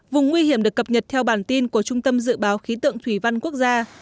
vùng nguy hiểm được cập nhật theo bản tin của trung tâm dự báo khí tượng thủy văn quốc gia